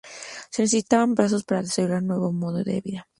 Se necesitaban brazos para desarrollar el nuevo modo de vida.